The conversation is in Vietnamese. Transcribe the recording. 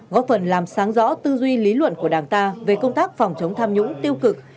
góp phần làm sáng rõ tư duy lý luận của đảng ta về công tác phòng chống tham nhũng tiêu cực